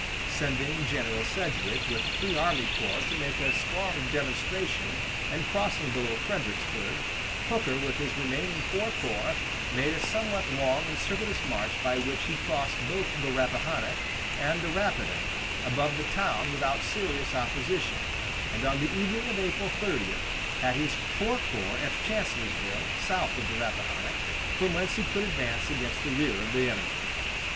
Sending General Sedgwick with three army corps to make a strong demonstration and crossing below Fredericksburg, Hooker with his remaining four corps made a somewhat long and circuitous march by which he crossed both the Rappahannock and the Rapidan above the town without serious opposition, and on the evening of April 30 had his four corps at Chancellorsville, south of the Rappahannock, from whence he could advance against the rear of the enemy.